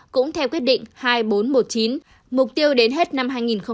cũng theo quyết định hai nghìn bốn trăm một mươi chín mục tiêu đến hết năm hai nghìn hai mươi